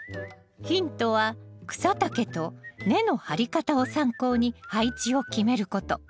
ヒントは草丈と根の張り方を参考に配置を決めること。